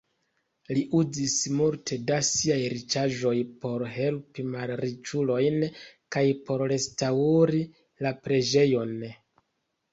Li uzis multe da siaj riĉaĵoj por helpi malriĉulojn kaj por restaŭri la preĝejon.